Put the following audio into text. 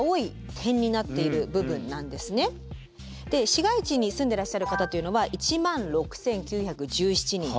市街地に住んでらっしゃる方というのは１万６，９１７人。